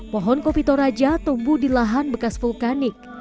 pohon kopi toraja tumbuh di lahan bekas vulkanik